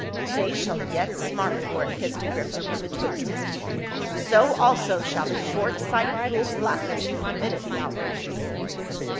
" "They shall yet smart for it," hissed Agrippa from betwixt his teeth. " So also shall the short sighted fool Flaccus, who permitted the outrages."